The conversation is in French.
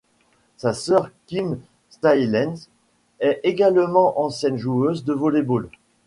Sa sœur Kim Staelens est également ancienne joueuse de volley-ball.